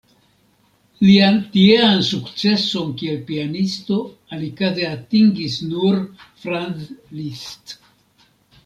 Lian tiean sukceson kiel pianisto alikaze atingis nur Franz Liszt.